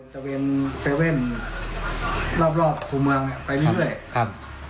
ตะเวนเซเว่นรอบภูเมืองไปเรื่อย